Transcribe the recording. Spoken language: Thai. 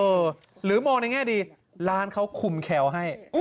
โอ้โหหรือมองในแง่ดีร้านเค้าคุมแคลลี่ให้